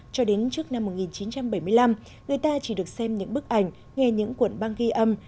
cho đến trước năm một nghìn chín trăm bảy mươi năm người ta chỉ được xem những bức ảnh nghe những cuộn băng ghi âm